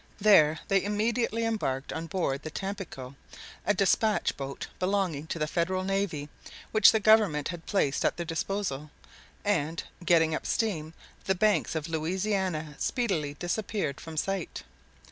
There they immediately embarked on board the Tampico, a despatch boat belonging to the Federal navy, which the government had placed at their disposal; and, getting up steam, the banks of Louisiana speedily disappeared from sight.